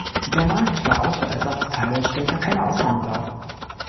Der Markt für Autoersatzteile stellt da keine Ausnahme dar.